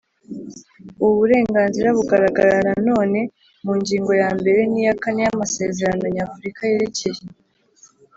Ubu burenganzira bugaragara nanone mu ngingo ya mbere n iya kane y Amasezerano Nyafurika yerekeye